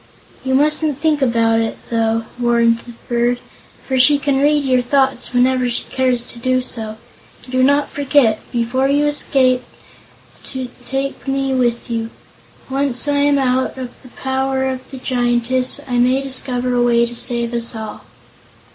"You mustn't think about it, though," warned the bird, "for she can read your thoughts whenever she cares to do so. And do not forget, before you escape, to take me with you. Once I am out of the power of the Giantess, I may discover a way to save us all."